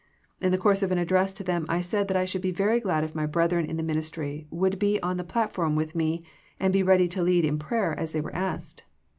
In the course of an address to them I said that I should be very glad if my brethren in the ministry would be on the platform with me and be ready to lead in prayer as they were asked.